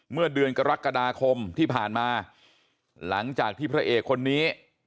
เมื่อเดือนกรกฎาคมที่ผ่านมาหลังจากที่พระเอกคนนี้